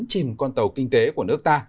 chìm con tàu kinh tế của nước ta